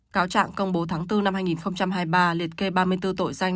cáo trạng công bố tháng bốn năm hai nghìn hai mươi ba liệt kê ba mươi bốn tội danh